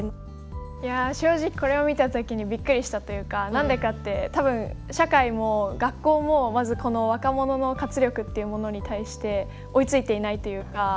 いや正直これを見た時にびっくりしたというか何でかって多分社会も学校もまずこの若者の活力っていうものに対して追いついていないというか。